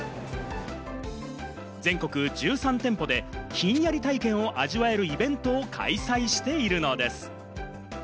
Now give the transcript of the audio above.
全国１３店舗でひんやり体験を味わえるイベントを開催しているのです。